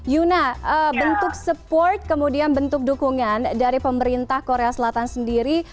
yuna bentuk support kemudian bentuk dukungan dari pemerintah korea selatan sendiri